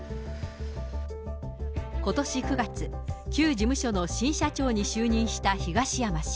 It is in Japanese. ことし９月、旧事務所の新社長に就任した東山氏。